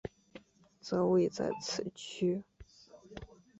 则位在此区。